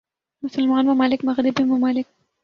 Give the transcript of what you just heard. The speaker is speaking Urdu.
مسلمان ممالک مغربی ممالک